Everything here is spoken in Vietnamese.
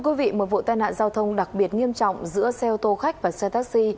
một vụ tai nạn giao thông đặc biệt nghiêm trọng giữa xe ô tô khách và xe taxi